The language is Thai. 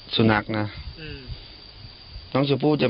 ที่มีข่าวเรื่องน้องหายตัว